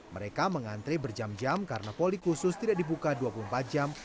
mereka mengantre berjam jam karena poli khusus tidak dibuka dua puluh empat jam